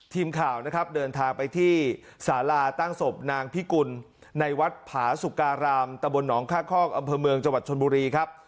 ทีมข่าวนะครับเดินทางไปที่สาราตั้งศพนางพิกุลในวัดผาสุการามตะบนหนองค่าคอกอำเภอเมืองจังหวัดชนบุรีครับ